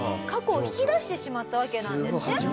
過去を引き出してしまったわけなんですね。